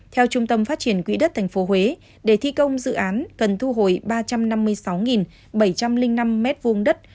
theo trung tâm phát triển quỹ đất tp huế để thi công dự án cần thu hồi ba trăm năm mươi sáu bảy trăm linh năm m hai đất